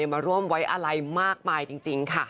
มาร่วมไว้อะไรมากมายจริงค่ะ